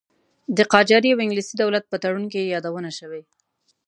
د قاجاري او انګلیسي دولت په تړون کې یادونه شوې.